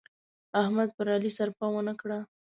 احمد پر علي سرپه و نه کړه.